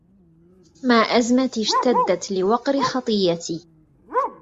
ما أزمتي اشتدت لوقر خطيتي